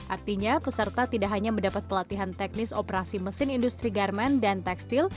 artinya peserta tidak hanya mendapat pelatihan teknis operasi mesin industri garmen dan tekstil